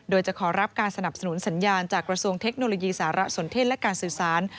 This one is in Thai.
โดยจะขอรับการสนับสนุนสัญญาณจากกระทรวงเทคโนโลยีสารสนเทศและการสื่อสาร